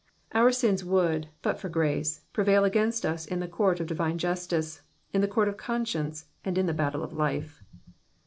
Our sins would, but for grace, prevail against us in the court of divine justice, in the court of conscience, and in the battle of life.